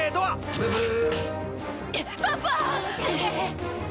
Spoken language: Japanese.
「ブブー！